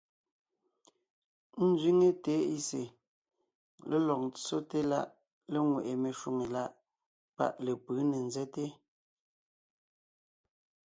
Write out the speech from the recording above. Ńzẅíŋe TIC lélɔg ńtsóte láʼ léŋweʼe meshwóŋè láʼ páʼ lepʉ̌ ne ńzɛ́te.